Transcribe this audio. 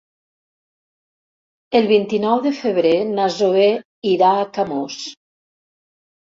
El vint-i-nou de febrer na Zoè irà a Camós.